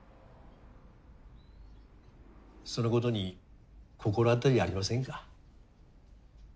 そのことに心当たりありませんか？